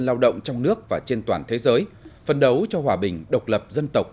lao động trong nước và trên toàn thế giới phân đấu cho hòa bình độc lập dân tộc